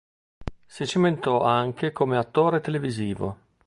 Si cimentò anche come attore televisivo.